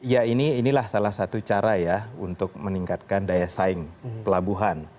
ya inilah salah satu cara ya untuk meningkatkan daya saing pelabuhan